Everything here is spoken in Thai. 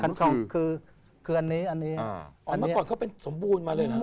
อันนี้คือคืออันนี้อันนี้อ๋อเมื่อก่อนเขาเป็นสมบูรณ์มาเลยนะ